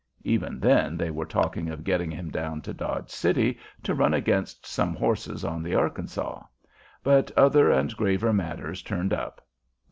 Even then they were talking of getting him down to Dodge City to run against some horses on the Arkansaw; but other and graver matters turned up.